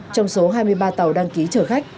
trong số hai mươi ba tàu đăng ký chở khách